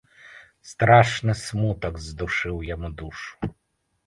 Страшны смутак здушыў яму душу.